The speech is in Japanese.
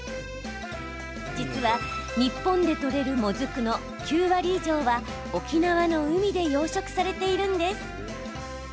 実は、日本で取れるもずくの９割以上は沖縄の海で養殖されているんです。